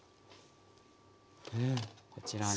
こちらに。